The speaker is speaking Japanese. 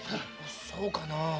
そうかなあ。